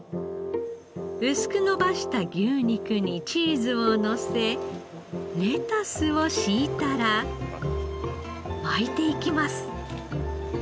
薄く伸ばした牛肉にチーズをのせレタスを敷いたら巻いていきます。